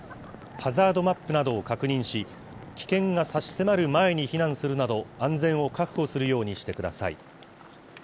ハザードマップなどを確認し、危険が差し迫る前に避難するなど、安全を確保するようにしてください。